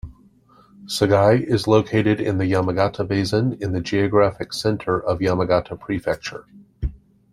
Sagae is located in the Yamagata Basin in the geographic center of Yamagata Prefecture.